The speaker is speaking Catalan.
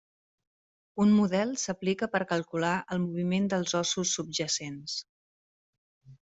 Un model s'aplica per calcular el moviment dels ossos subjacents.